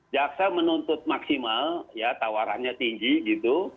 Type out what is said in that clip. jaksa menuntut maksimal tawarannya tinggi